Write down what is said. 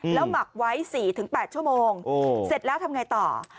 แล้วหมักไว้๔๘ชั่วโมงเสร็จแล้วทำไงต่อ